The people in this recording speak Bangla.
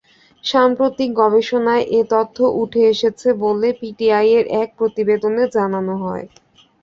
সাম্প্রতিক গবেষণায় এ তথ্য উঠে এসেছে বলে পিটিআইয়ের এক প্রতিবেদনে জানানো হয়।